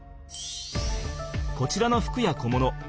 こちらの服や小物。